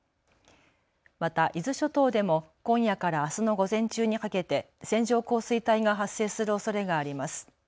また伊豆諸島でも今夜からあすの午前中にかけて線状降水帯が発生するおそれがあります。